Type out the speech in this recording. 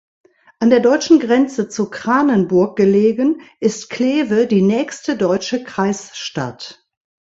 An der deutschen Grenze zu Kranenburg gelegen, ist Kleve die nächste deutsche Kreisstadt.